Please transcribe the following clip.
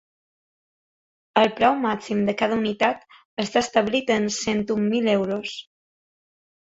El preu màxim de cada unitat està establit en cent un mil euros.